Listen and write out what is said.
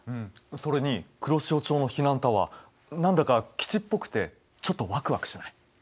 それに黒潮町の避難タワー何だか基地っぽくてちょっとワクワクしない？